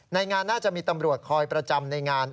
ในงานน่าจะมีตำรวจคอยประจำในงาน